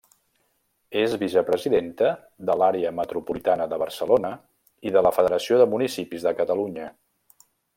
És vicepresidenta de l'Àrea Metropolitana de Barcelona i de la Federació de Municipis de Catalunya.